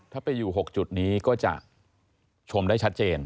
ถ้าไปอยู่๖จุดนี้ก็จะชมได้ชัดเจน